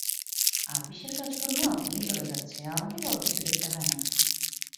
আপিসের কাজকর্ম আপনিই চলে যাচ্ছে, আমাকে বড়ো কিছু দেখতে হয় না।